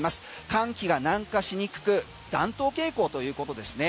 寒気が南下しにくく暖冬傾向ということですね。